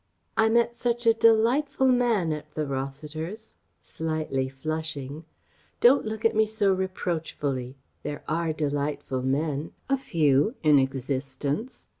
"I met such a delightful man at the Rossiters'!" (slightly flushing) "Don't look at me so reproachfully! There are delightful men a few in existence.